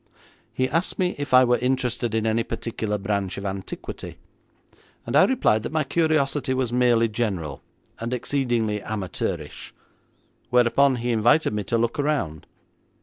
He asked me if I were interested in any particular branch of antiquity, and I replied that my curiosity was merely general, and exceedingly amateurish, whereupon he invited me to look around.